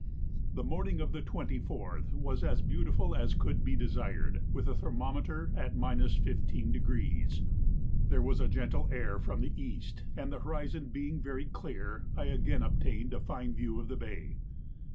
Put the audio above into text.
The morning of the 24th was as beautiful as could be desired, with the thermometer at 15°. There was a gentle air from the east, and the horizon being very clear, I again obtained a fine view of the bay.